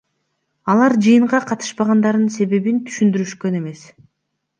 Алар жыйынга катышпагандырынын себебин түшүндүрүшкөн эмес.